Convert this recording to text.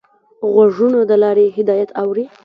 غوږونه د لارې هدایت اوري